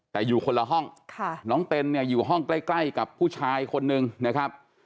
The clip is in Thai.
แต่อยู่คนละห้องน้องเต็นเนี่ยอยู่ห้องใกล้กับผู้ชายคนนึงนะครับ